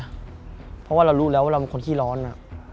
เพราะว่าเรารู้แล้วว่าเราเป็นคนขี้ร้อน